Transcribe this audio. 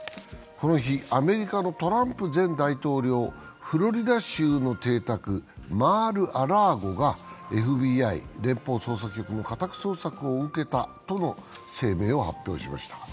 この日、アメリカのトランプ前大統領はフロリダ州の邸宅、マール・ア・ラーゴがＦＢＩ＝連邦捜査局の家宅捜索を受けたとの声明を発表しました。